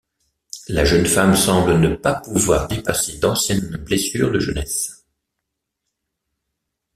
La jeune femme semble ne pas pouvoir dépasser d'anciennes blessures de jeunesse.